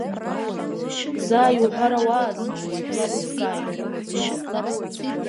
Заа иуҳәарауаз, шьҭа еилыскааит.